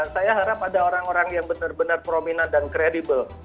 saya harap ada orang orang yang benar benar prominent dan kredibel